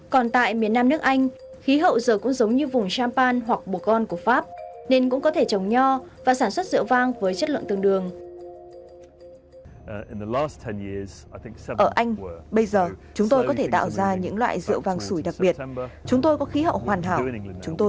còn tại miền nam nước anh khí hậu giờ cũng giống như vùng champagne hoặc bồ con của pháp nên cũng có thể trồng nho